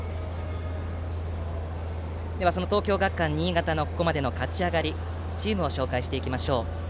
その東京学館新潟のここまでの勝ち上がりチームを紹介していきましょう。